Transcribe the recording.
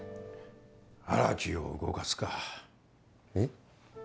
荒木を動かすかえッ？